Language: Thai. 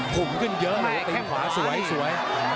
คุมขึ้นเยอะเลยตีขวาสวยสวย